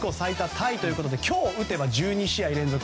タイということで今日打てば１２試合連続